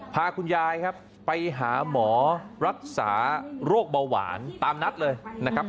พาคุณยายครับไปหาหมอรักษาโรคเบาหวานตามนัดเลยนะครับ